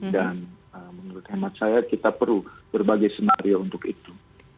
dan menurut emak saya kita perlu berbagai senario untuk itu